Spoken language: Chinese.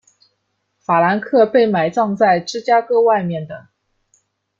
法兰克被埋葬在芝加哥外面的。